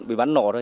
bị bắn nổ thôi